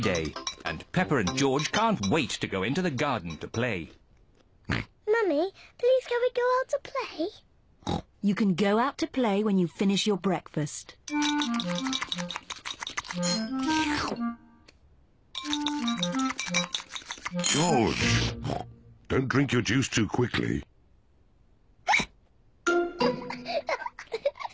アハハハ！